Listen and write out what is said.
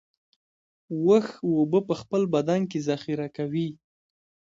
اوښ اوبه په خپل بدن کې ذخیره کوي